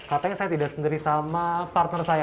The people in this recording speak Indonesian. katanya saya tidak sendiri sama partner saya